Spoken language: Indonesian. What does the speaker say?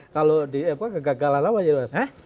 kalau di epo kegagalan apa gitu